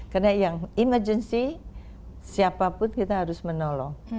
karena yang emergency siapapun kita harus menolong